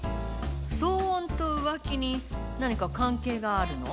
騒音と浮気に何か関係があるの？